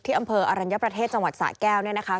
อำเภออรัญญประเทศจังหวัดสะแก้วเนี่ยนะคะ